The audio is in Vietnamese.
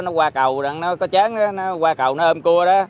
nó qua cầu nó có chán nó qua cầu nó ôm cua đó